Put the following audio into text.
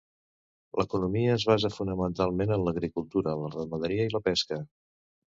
L'economia es basa fonamentalment en l'agricultura, la ramaderia i la pesca.